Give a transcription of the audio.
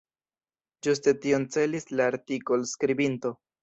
Ĝuste tion celis la artikol-skribinto.